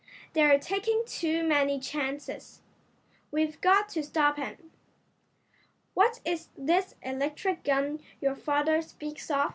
"They're taking too many chances. We've got to stop 'em." "What is this electric gun your father speaks of?"